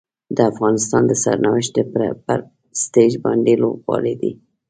د افغانستان د سرنوشت پر سټیج باندې لوبغاړي دي.